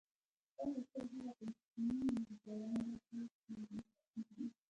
تا غوښتل هغه په مخکینۍ برنډه کې کیږدې